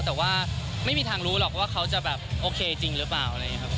แต่ว่าไม่มีทางรู้หรอกว่าเขาจะแบบโอเคจริงหรือเปล่า